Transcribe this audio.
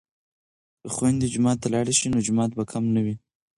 که خویندې جومات ته لاړې شي نو جماعت به کم نه وي.